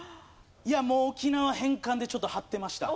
いやもう沖縄返還でちょっと張ってました。